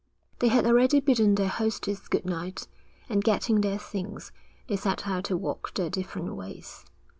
They had already bidden their hostess good night, and getting their things, they set out to walk their different ways.